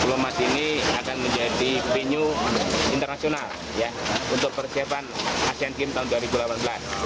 pulau mas ini akan menjadi venue internasional untuk persiapan asean games tahun dua ribu delapan belas